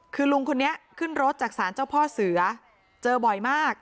คือลุงคนนี้ขึ้นรถจากศาลเจ้าพ่อเสือเจอบ่อยมาก